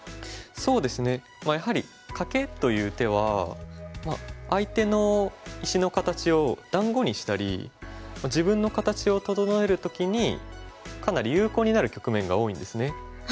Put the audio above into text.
そうですねまあやはりカケという手は相手の石の形を団子にしたり自分の形を整える時にかなり有効になる局面が多いんですね。